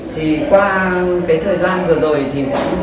thì qua cái thời gian vừa rồi thì cũng